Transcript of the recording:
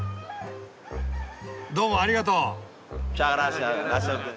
どうもありがとう。